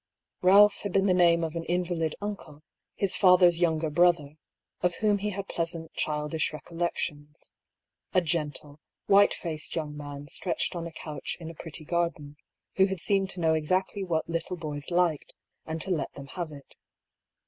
Balph had been the name of an invalid uncle, his father's younger brother, of whom he had pleasant childish recollections — a gentle, white faced young man stretched on a couch in a pretty garden, who had seemed to know exactly what little boys liked, and to let them have it.